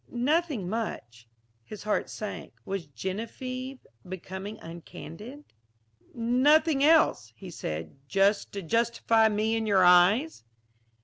"Nothing much." His heart sank. Was Geneviève becoming uncandid? "Nothing else," he said. "Just to justify me in your eyes?"